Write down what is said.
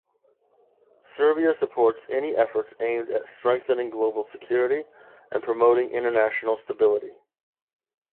Serbia supports any efforts aimed at strengthening global security and promoting international stability.